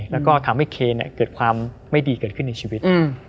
แล้วก็ทำให้เคนเกิดความไม่ดีเกิดขึ้นในชีวิต